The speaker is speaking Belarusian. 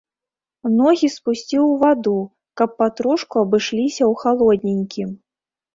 Ногі спусціў у ваду, каб патрошку абышліся ў халодненькім.